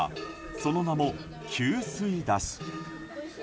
その名も給水山車。